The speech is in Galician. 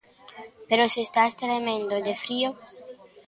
_¡Pero se estás tremendo de frío!